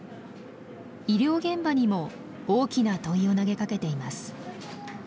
医療現場にも大きな問いを投げかけています。